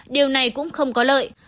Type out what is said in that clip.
điều này cũng không có lợi